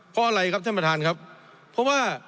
เพราะอะไรครับท่านประธานครับเพราะว่า